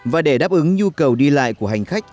và để đáp ứng nhu cầu đi lại của hành khách